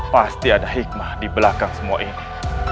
pasti ada hikmah di belakang semua ini